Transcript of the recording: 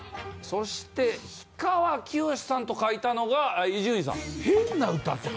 そして氷川きよしさんと書いたのが伊集院さん。